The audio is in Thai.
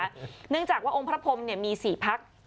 เนื่องจากว่าองค์พระพรมมี๔พัก